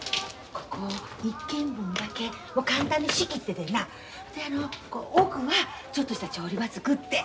ここを１間分だけ簡単に仕切ってでんなであの奥はちょっとした調理場作って。